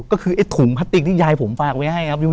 ก็คือไอ้ถุงพลาสติกที่ยายผมฝากไว้ให้ครับ